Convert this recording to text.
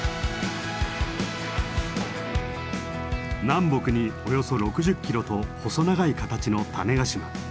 南北におよそ６０キロと細長い形の種子島。